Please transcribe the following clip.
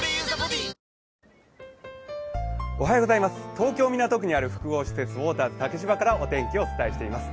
東京・港区にある複合施設、ウォーターズ竹芝からお天気をお伝えしています。